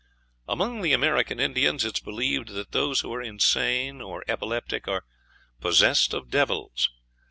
Among the American Indians it is believed that those who are insane or epileptic are "possessed of devils."